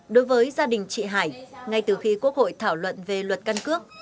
đối với gia đình chị hải ngay từ khi quốc hội thảo luận về luật căn cước